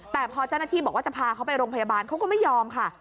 แต่พอเจ้าหน้าที่บอกว่าจะพาเขาไปโรงพยาบาลเขาก็ไม่ยอมค่ะ